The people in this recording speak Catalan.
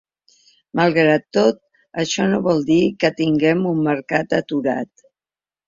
Malgrat tot, això no vol dir que tinguem un mercat aturat.